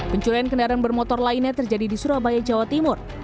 pencurian kendaraan bermotor lainnya terjadi di surabaya jawa timur